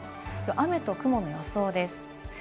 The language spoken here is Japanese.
雨と雲の予想です。